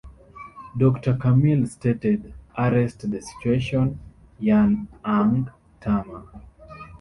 Doctor Camille stated: "Arrest the situation, "'yun ang tama".